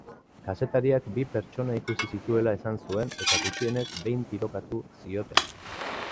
Kazetariak bi pertsona ikusi zituela esan zuen eta gutxienez behin tirokatu ziotela.